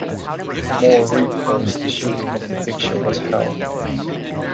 More recalls the shooting of the picture was hell.